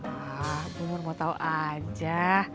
ah punur mau tahu aja